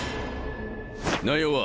内容は？